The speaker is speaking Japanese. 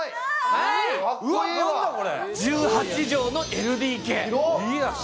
１８畳のＬＤＫ。